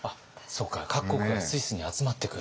各国がスイスに集まってくる？